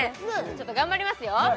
ちょっと頑張りますよ